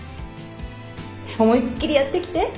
思いっきりやってきて。